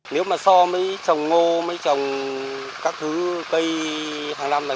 nếu mà so với trồng ngô mấy trồng các thứ cây hàng năm này